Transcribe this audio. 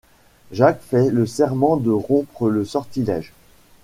Jack fait le serment de rompre le sortilège.